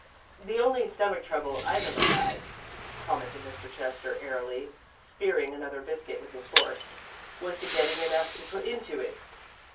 "The only stomach trouble I've ever had," commented Mr. Chester, airily spearing another biscuit with his fork, "was in getting enough to put into it."